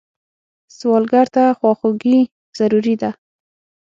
سوالګر ته خواخوږي ضروري ده